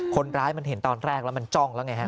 คนร้ายมันเห็นตอนแรกแล้วมันจ้องแล้วไงฮะ